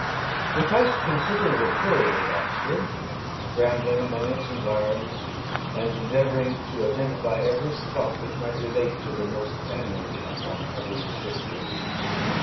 We passed a considerable period at Oxford, rambling among its environs, and endeavouring to identify every spot which might relate to the most animating epoch of English history.